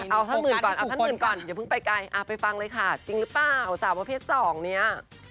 เอาท่านหมื่นก่อนเอาท่านหมื่นก่อนอย่าเพิ่งไปไกลไปฟังเลยค่ะจริงหรือเปล่าสาวประเภท๒เนี่ย